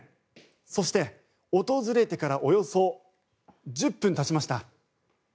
そして、訪れてからおよそ１０分立ちました。